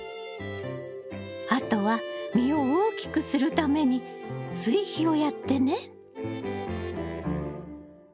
あとは実を大きくするために追肥をやってね。